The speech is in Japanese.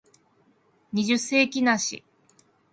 二十世紀梨